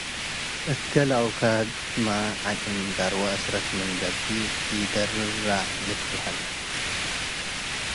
እት ገሌ ወክድመ ዐጭም ገርወ አስረት ምን ገብእ ኢደርረ ልትበሀል ።